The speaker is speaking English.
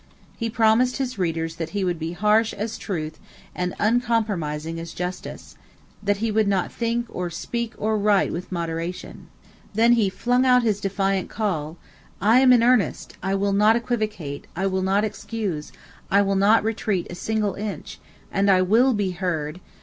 He promised his readers that he would be "harsh as truth and uncompromising as justice"; that he would not "think or speak or write with moderation." Then he flung out his defiant call: "I am in earnest I will not equivocate I will not excuse I will not retreat a single inch and I will be heard....